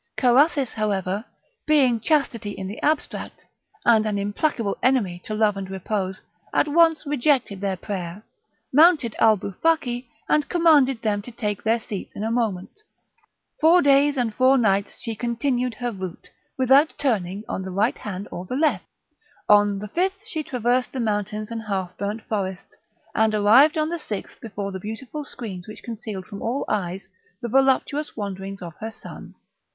Carathis, however, being chastity in the abstract, and an implacable enemy to love and repose, at once rejected their prayer, mounted Alboufaki, and commanded them to take their seats in a moment; four days and four nights she continued her route, without turning to the right hand or left; on the fifth she traversed the mountains and half burnt forests, and arrived on the sixth before the beautiful screens which concealed from all eyes the voluptuous wanderings of her son.